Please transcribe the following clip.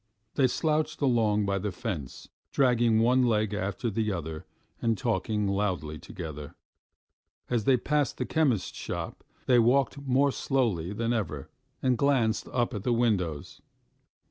... They slouched along by the fence, dragging one leg after the other and talking loudly together. As they passed the chemist's shop, they walked more slowly than ever, and glanced up at the windows.